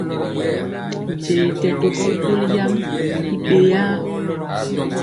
Nkye i kɛ to sikoli yam i ɓeyaa.